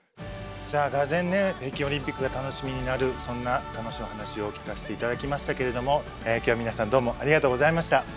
じゃあがぜんね北京オリンピックが楽しみになるそんな楽しいお話を聞かせていただきましたけれども今日は皆さんどうもありがとうございました。